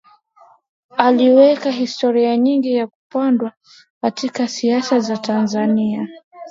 Aliweka historia nyingine ya kupanda katika siasa za Tanzania